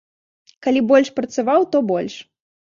Калі больш працаваў, то больш.